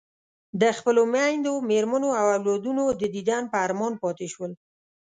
د خپلو میندو، مېرمنو او اولادونو د دیدن په ارمان پاتې شول.